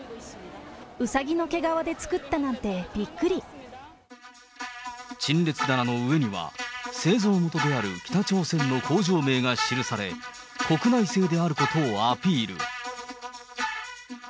うさぎの毛皮で作ったなんて、陳列棚の上には、製造元である北朝鮮の工場名が記され、国内製であることをアピール。